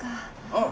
ああ